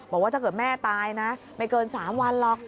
บอกว่าถ้าเกิดแม่ตายนะไม่เกิน๓วันหรอก